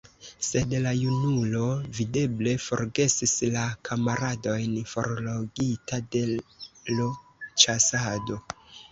Sed la junulo, videble, forgesis la kamaradojn, forlogita de l' ĉasado.